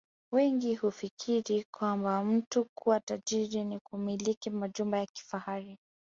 Wengi hufikiri kwamba mtu kuwa tajiri ni kumiliki majumba ya kifahari